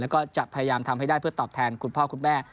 แล้วก็จะพยายามทำให้ได้เพื่อตอบแทนคุณพ่อคุณแม่